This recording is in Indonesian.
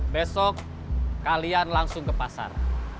besok kalian langsung ke pasar